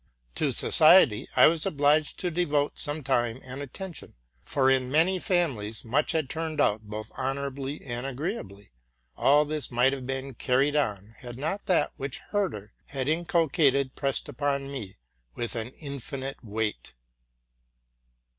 'To society I was obliged to devote some time and ittention ; for in many families I had fallen in for much, both of love and honor. All this might have been carried on, had not that which Herder had inculeated pressed upon ime with an infinite weight.